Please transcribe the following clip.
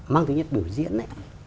mang tính nhất biểu diễn